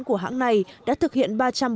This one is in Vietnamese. của hãng này đã thực hiện